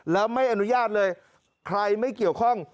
แล้วไม่อนุญาตเลยใครไม่เกี่ยวข้อง